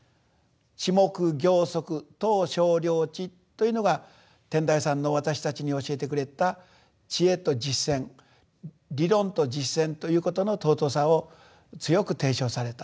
「智目行足到清涼池」というのが天台山の私たちに教えてくれた知恵と実践理論と実践ということの尊さを強く提唱されたと。